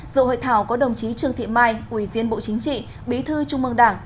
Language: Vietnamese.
dự hội thảo có đồng chí trương thị mai ủy viên bộ chính trị bí thư trung mương đảng